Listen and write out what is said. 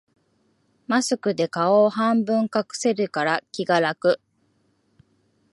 マスクで顔を半分隠せるから気が楽